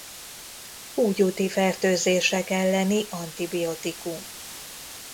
Húgyúti fertőzések elleni antibiotikum.